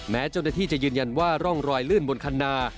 แม้จนที่จะยืนยันว่าร่องรอยเลื่อนบนคันนา